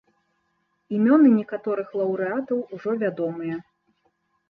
Імёны некаторых лаўрэатаў ужо вядомыя.